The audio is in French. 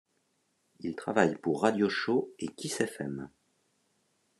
Il travaille pour Radio Show et Kiss Fm.